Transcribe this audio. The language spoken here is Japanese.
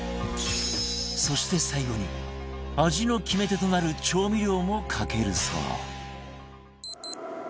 そして最後に味の決め手となる調味料もかけるそう